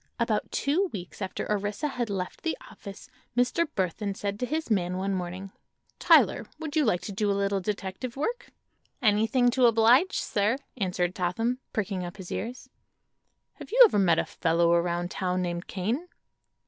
About two weeks after Orissa had left the office Mr. Burthon said to his man one morning: "Tyler, would you like to do a little detective work?" "Anything to oblige, sir," answered Totham, pricking up his ears. "Have you ever met a fellow around town named Kane?"